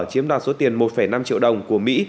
chiếm đoạt số tiền một năm triệu đồng của mỹ